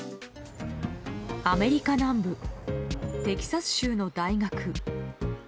アメリカ南部テキサス州の大学。